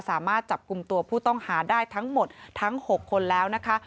สามารถจับกลุ่มตัวผู้ต้องหาได้ทั้งหมดทั้ง๖คนแล้วนะคะ